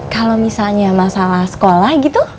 kalau misalnya masalah sekolah gitu